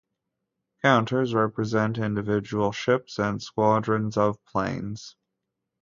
Counters represent individual ships and squadrons of planes.